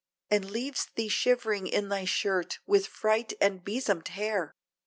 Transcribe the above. And leaves thee shivering in thy shirt, with fright and besomed hair!